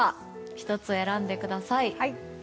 １つ選んでください。